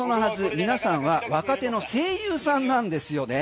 皆さんは若手の声優さんなんですよね。